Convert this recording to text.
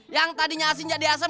yang tadinya asin jadi asem